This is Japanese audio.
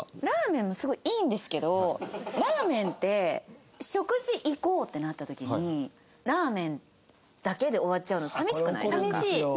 ラーメンもすごいいいんですけどラーメンって食事行こうってなった時にラーメンだけで終わっちゃうの寂しくない？